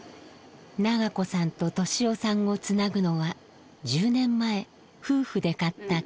伸子さんと利雄さんをつなぐのは１０年前夫婦で買った携帯電話。